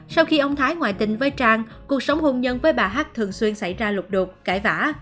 sau khi ông thái ngoại tình với trang cuộc sống hôn nhân với bà hát thường xuyên xảy ra lục đột cãi vã